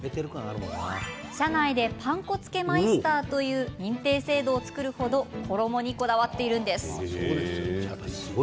社内で、パン粉つけマイスターという認定制度を作る程衣にこだわっているんです。